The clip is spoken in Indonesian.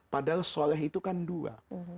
padahal soleh itu kan dua